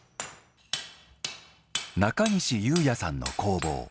中西裕也さんの工房。